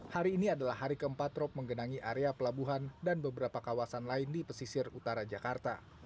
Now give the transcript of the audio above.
hari ini adalah hari keempat rob menggenangi area pelabuhan dan beberapa kawasan lain di pesisir utara jakarta